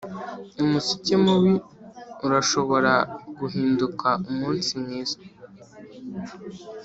umuseke mubi urashobora guhinduka umunsi mwiza.